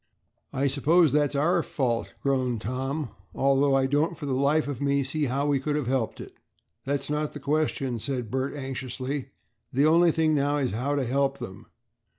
"I suppose that's our fault," groaned Tom, "although I don't for the life of me see how we could have helped it." "That's not the question," said Bert, anxiously, "the only thing now is how to help them."